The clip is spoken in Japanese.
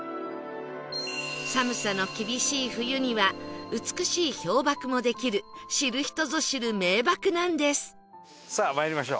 寒さの厳しい冬には美しい氷瀑もできる知る人ぞ知る名瀑なんです